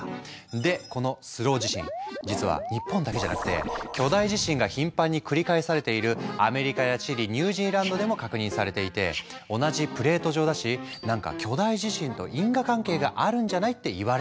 でこのスロー地震実は日本だけじゃなくて巨大地震が頻繁に繰り返されているアメリカやチリニュージーランドでも確認されていて「同じプレート上だしなんか巨大地震と因果関係があるんじゃない？」っていわれているんだ。